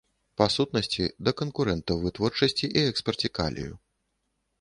Па сутнасці, да канкурэнта ў вытворчасці і экспарце калію.